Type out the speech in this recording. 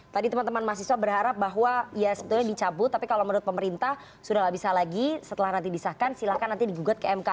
tadi teman teman mahasiswa berharap bahwa ya sebetulnya dicabut tapi kalau menurut pemerintah sudah tidak bisa lagi setelah nanti disahkan silahkan nanti digugat ke mk